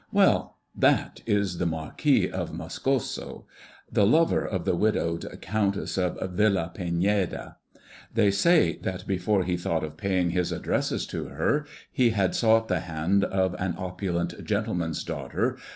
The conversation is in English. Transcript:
Well, that is the Marquis of Moscoso, the lover of the widowed Countess of Villapiñeda. They say that before he thought of paying his addresses to her he had sought the hand of an opulent gentleman's daughter.